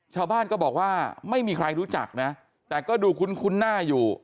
ชาวบ้านก็บอกว่าไม่มีใครรู้จักนะแต่ก็ดูคุ้นหน้าอยู่